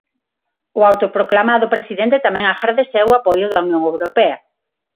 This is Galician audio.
O autoproclamado presidente tamén agradeceu o apoio da Unión Europea.